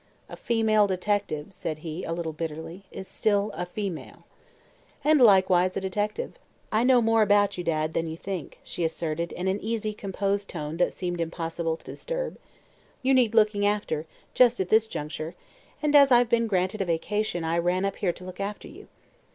"A female detective," said he, a little bitterly, "is still a female." "And likewise a detective. I know more about you, Dad, than you think," she asserted, in an easy, composed tone that it seemed impossible to disturb. "You need looking after, just at this juncture, and as I've been granted a vacation I ran up here to look after you."